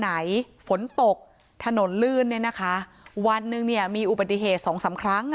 ไหนฝนตกถนนลื่นเนี่ยนะคะวันหนึ่งเนี่ยมีอุบัติเหตุสองสามครั้งอ่ะ